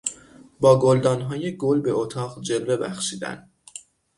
با گلدانهای گل به اتاق جلوه بخشیدن